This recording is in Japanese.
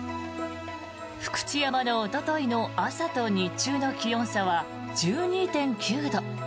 福知山のおとといの朝と日中の気温差は１２．９度。